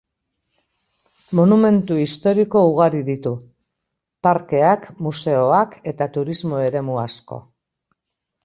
Monumentu historiko ugari ditu; parkeak, museoak eta turismo-eremu asko.